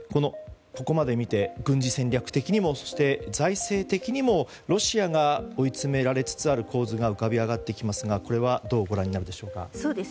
ここまで見て、軍事戦略的にもそして、財政的にもロシアが追い詰められつつある構図が浮かび上がってきますがこれはどうご覧になるでしょうか。